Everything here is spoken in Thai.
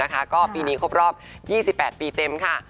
ก็ปีนี้ครบรอบ๒๘ปีเต็มค่ะ